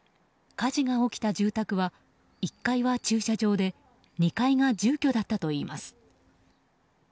火事が起きた住宅は１階は駐車場で２階が住居だったといいます。